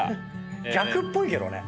逆っぽいけどね。